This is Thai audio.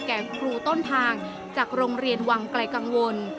ครูต้นทางจากโรงเรียนวังไกลกังวล